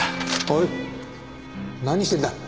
おい何してんだ！？